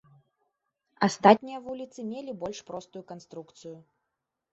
Астатнія вуліцы мелі больш простую канструкцыю.